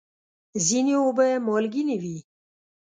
ځینې اوبه مالګینې وي.